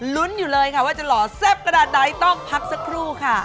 ลุ้นอยู่เลยค่ะว่าจะหล่อแซ่บขนาดไหนต้องพักสักครู่ค่ะ